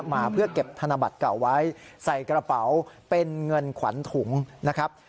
มาเพื่อเก็บธนบัตรเก่าไว้ใส่กระเป๋าเป็นเงินขวัญถุงนะครับ